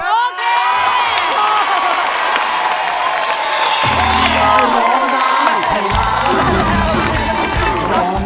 คุณวิริยะร้อง